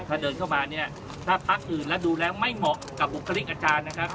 ถ้าเดินเข้ามาเนี่ยถ้าพักอื่นแล้วดูแล้วไม่เหมาะกับบุคลิกอาจารย์นะครับ